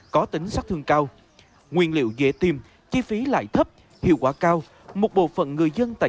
có tính sát thương cao nguyên liệu dễ tìm chi phí lại thấp hiệu quả cao một bộ phận người dân tại